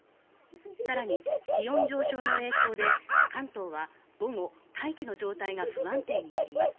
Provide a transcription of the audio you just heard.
更に、気温上昇の影響で関東は午後、大気の状態が不安定になります。